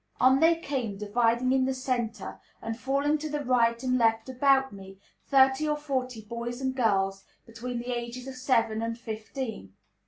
On they came, dividing in the centre, and falling to the right and left about me, thirty or forty boys and girls, between the ages of seven and fifteen.